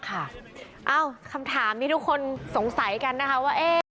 ค่ะเอ้าคำถามที่ทุกคนสงสัยกันนะครับว่า